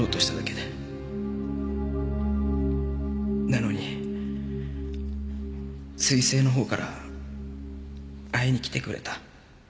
なのに彗星のほうから会いに来てくれた。